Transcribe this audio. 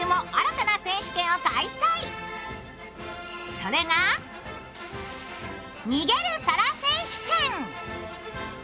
それが、「逃げる皿選手権」